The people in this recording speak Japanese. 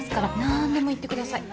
なんでも言ってください。